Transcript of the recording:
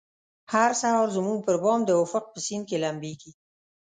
هر سهار زموږ پربام د افق په سیند کې لمبیږې